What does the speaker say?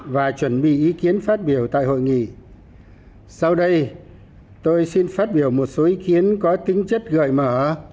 và chuẩn bị ý kiến phát biểu tại hội nghị sau đây tôi xin phát biểu một số ý kiến có tính chất gợi mở